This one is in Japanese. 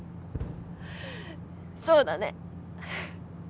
そうだね。